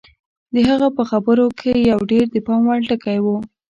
د هغه په خبرو کې یو ډېر د پام وړ ټکی و